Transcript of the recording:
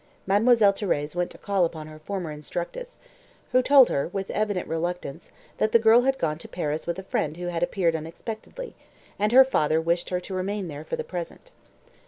Mademoiselle Thérèse went to call upon her former instructress, who told her, with evident reluctance, that the girl had gone to Paris with a friend who had appeared unexpectedly, and her father wished her to remain there for the present.